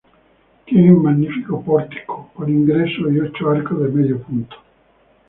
Tiene un magnífico pórtico con ingreso y ocho arcos de medio punto.